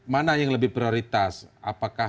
mana yang lebih prioritas apakah